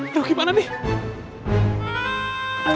aduh gimana nih